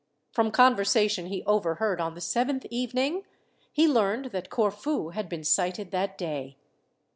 From conversation he overheard on the seventh evening, he learned that Corfu had been sighted that day.